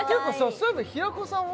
そういえば平子さんは？